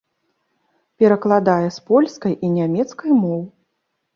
Перакладае з польскай і нямецкай моў.